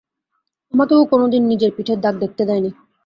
আমাকেও কোনদিন নিজের পিঠের দাগ দেখতে দেয়নি।